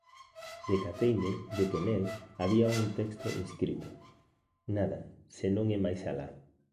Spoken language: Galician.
Decateime de que nel había un texto inscrito: «Nada, se non é máis alá».